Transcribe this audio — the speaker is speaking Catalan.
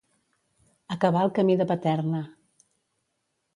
Acabar al camí de Paterna.